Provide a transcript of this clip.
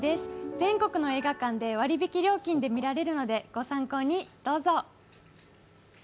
全国の映画館で割引料金で見られるのでご参考にどうぞ。